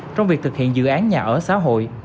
trong việc thực hiện dự án nhà ở xã hội